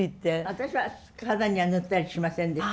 私は体には塗ったりしませんでしたけど。